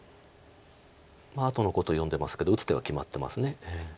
あとのことを読んでますけど打つ手は決まってます。